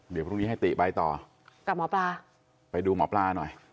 เดี๋ยวพรุ่งนี้ให้ติไปต่อกับหมอปลาไปดูหมอปลาหน่อย